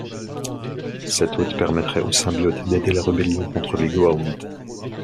Cet hôte permettrait au symbiote d'aider la rébellion contre les Goa'ulds.